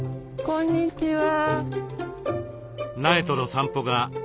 こんにちは。